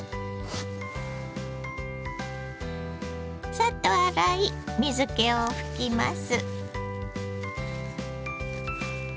サッと洗い水けを拭きます。